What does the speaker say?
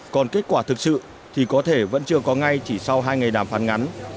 còn kết quả thực sự thì có thể vẫn chưa có ngay chỉ sau hai ngày đàm phán ngắn